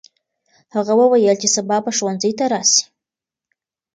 هغه وویل چې سبا به ښوونځي ته راسي.